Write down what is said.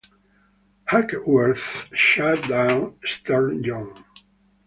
Hackworth shut down Stern John.